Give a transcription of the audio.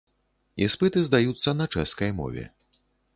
Іспыты здаюцца на чэшскай мове.